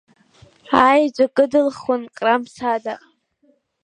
Аеҵәа кыдылхуан Ҟрамсада.